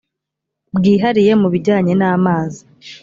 bwihariye mu bijyanye n amazi